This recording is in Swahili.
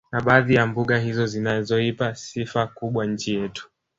Na baadhi ya mbuga hizo zinazoipa sifa kubwa nchi yetu